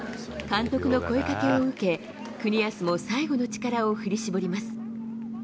監督の声かけを受け、國安も最後の力を振り絞ります。